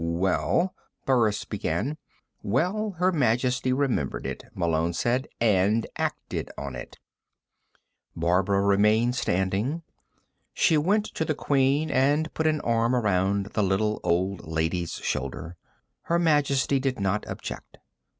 "Well " Burris began. "Well, Her Majesty remembered it," Malone said. "And acted on it." Barbara remained standing. She went to the Queen and put an arm around the little old lady's shoulder. Her Majesty did not object.